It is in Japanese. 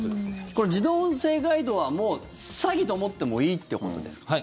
これ、自動音声ガイドはもう詐欺と思ってもいいってことですか？